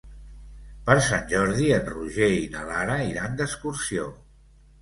Per Sant Jordi en Roger i na Lara iran d'excursió.